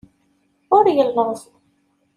Ur yelluẓ.